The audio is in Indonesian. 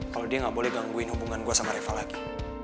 kalau dia nggak boleh gangguin hubungan gue sama reva lagi